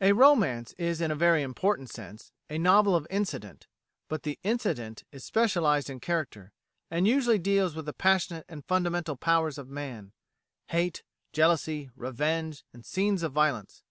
A Romance is in a very important sense a novel of incident, but the "incident" is specialised in character, and usually deals with the passionate and fundamental powers of man hate, jealousy, revenge, and scenes of violence.